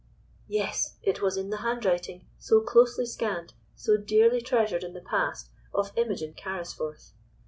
Yes! it was in the handwriting, so closely scanned, so dearly treasured in the past, of Imogen Carrisforth.